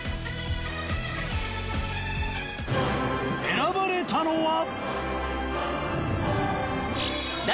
選ばれたのは。